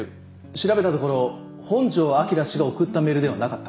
調べたところ本庄昭氏が送ったメールではなかった。